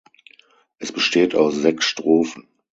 Es besteht aus sechs Strophen.